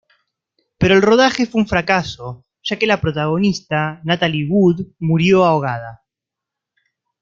Pero el rodaje fue un fracaso, ya que la protagonista, Natalie Wood, murió ahogada.